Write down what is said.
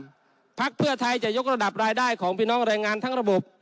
พักเพื่อไทยจะยกระดับรายได้ของพี่น้องแรงงานทั้งระบบ